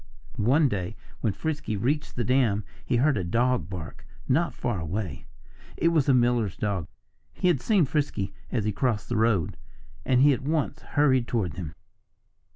One day when Frisky reached the dam he heard a dog bark not far away. It was the miller's dog. He had seen Frisky as he crossed the road. And he at once hurried toward him.